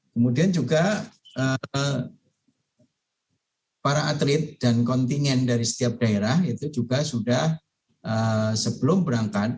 kemudian juga para atlet dan kontingen dari setiap daerah itu juga sudah sebelum berangkat